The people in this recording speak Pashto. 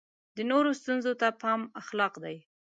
د نورو ستونزو ته پام اخلاق دی.